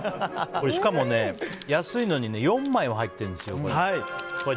しかも、安いのに４枚も入ってるんですよ。